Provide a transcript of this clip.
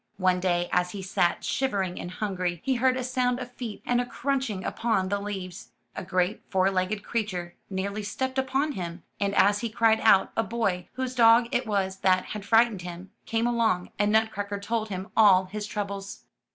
One day, as he sat shivering and hungry, he heard a sound of feet and a crunch ing upon the leaves. A great four legged creature nearly stepped upon him, and as he cried out, a boy, whose dog it was that had frightened him, came along, and Nutcracker told him all his troubles.